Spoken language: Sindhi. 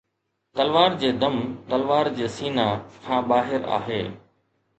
تلوار جي دم تلوار جي سينه کان ٻاهر آهي